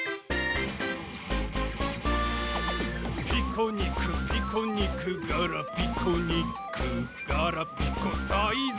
「ピコニクピコニクガラピコニック」「ガラピコサイズ！